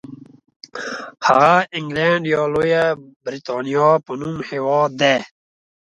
هغه انګلنډ یا لویه برېټانیا په نوم هېواد دی.